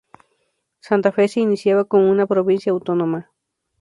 Santa Fe se iniciaba como una provincia autónoma.